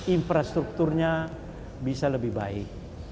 infrastrukturnya bisa lebih baik